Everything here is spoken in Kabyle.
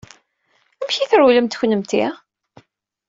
Amek ay d-trewlemt kennemti?